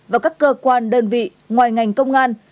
và các cơ quan đơn vị ngoài ngành công an